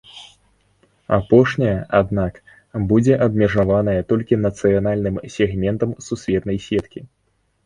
Апошняя, аднак, будзе абмежаваная толькі нацыянальным сегментам сусветнай сеткі.